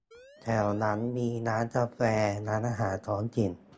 แถวนั้นมีร้านกาแฟ ร้านอาหารท้องถิ่น